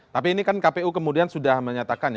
tapi ini kan kpu kemudian sudah menyatakan ya